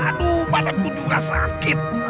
aduh badan ku juga sakit